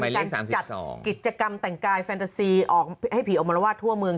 การจัดกิจกรรมแต่งกายแฟนตาซีออกให้ผีออกมารวาสทั่วเมือง